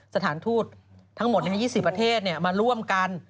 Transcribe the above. สถานทูตทั้งหมด๒๐ประเทศมาร่วมกัน